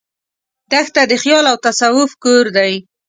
دښته د خیال او تصوف کور دی.